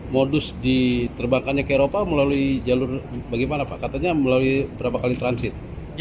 modus diterbangkannya ke eropa melalui jalur bagaimana pak katanya melalui berapa kali transit